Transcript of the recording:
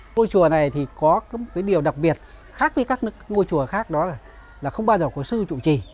ngôi chùa này thì có một cái điều đặc biệt khác với các ngôi chùa khác đó là không bao giờ có sư trụ trì